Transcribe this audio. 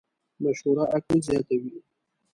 مشوره عقل زیاتوې.